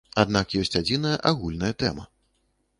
Аднак ёсць адзіная агульная тэма.